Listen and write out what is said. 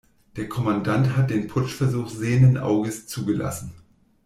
Der Kommandant hat den Putschversuch sehenden Auges zugelassen.